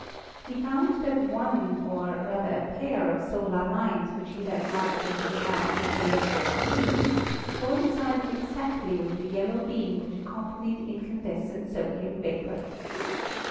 He found that one or rather a pair of solar lines which he had marked in his map with the letter "D" coincided ex actly with the yellow beam which accompanied incandes cent sodium vapor.